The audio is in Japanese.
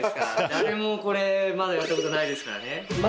誰もこれ、まだやったことないですからね。